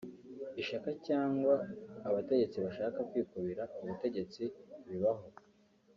ishyaka cyangwa abategetsi bashaka kwikubira ubutegetsi bibaho